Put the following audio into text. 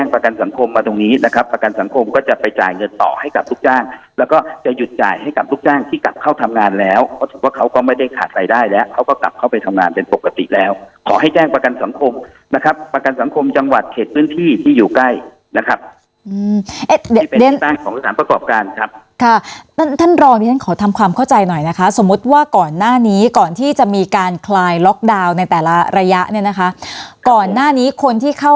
ประกันสังคมก็จะไปจ่ายเงินต่อให้กับลูกจ้างแล้วก็จะหยุดจ่ายให้กับลูกจ้างที่กลับเข้าทำงานแล้วเพราะถูกว่าเขาก็ไม่ได้ขาดใส่ได้แล้วเขาก็กลับเข้าไปทำงานเป็นปกติแล้วขอให้แจ้งประกันสังคมนะครับประกันสังคมจังหวัดเขตเรื่องที่ที่อยู่ใกล้นะครับอืมเอ่ยเดี๋ยวของสามประกอบการณ์ครับค